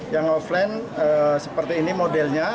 yang offline seperti ini modelnya